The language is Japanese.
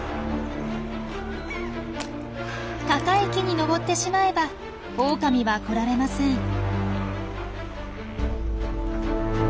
高い木に登ってしまえばオオカミは来られません。